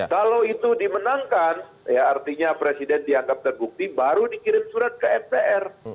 kalau itu dimenangkan ya artinya presiden dianggap terbukti baru dikirim surat ke mpr